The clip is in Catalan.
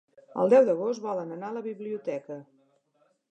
El deu d'agost volen anar a la biblioteca.